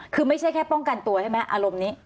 คือไม่ใช่แค่ป้องกันตัวใช่ไหมอารมณ์นี้